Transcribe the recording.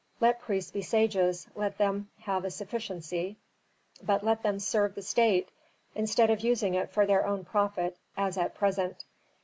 Let priests be sages, let them have a sufficiency, but let them serve the state instead of using it for their own profit as at present.